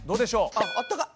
あっあったかい。